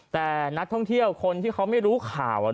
แต่นักท่องเที่ยวคนที่เขาไม่รู้ข่าว